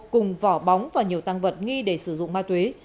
cùng vỏ bóng và nhiều tăng vật nghi để sử dụng ma túy